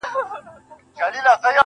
o نن والله پاك ته لاسونه نيسم.